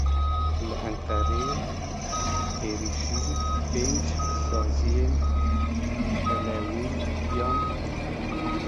Li Enqereyê êrişî pênc saziyên Elewiyan hat kirin.